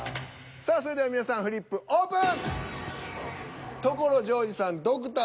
さあそれでは皆さんフリップオープン！